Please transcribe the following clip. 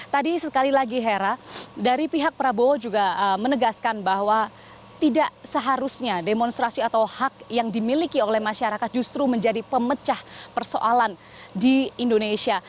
tadi sekali lagi hera dari pihak prabowo juga menegaskan bahwa tidak seharusnya demonstrasi atau hak yang dimiliki oleh masyarakat justru menjadi pemecah persoalan di indonesia